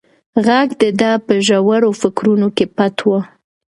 غږ د ده په ژورو فکرونو کې پټ و.